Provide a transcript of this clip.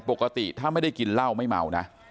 ปกติถ้าไม่ได้กินเหล้าไม่เมานะ